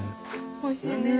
おいしいね。